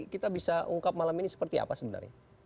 kita bisa ungkap malam ini seperti apa sebenarnya